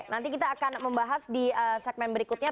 nanti kita akan membahas di segmen berikutnya